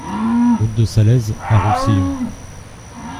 Route de Salaise à Roussillon